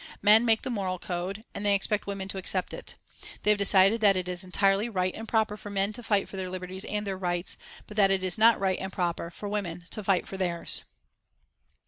Men make the moral code and they expect women to accept it. They have decided that it is entirely right and proper for men to fight for their liberties and their rights, but that it is not right and proper for women to fight for theirs.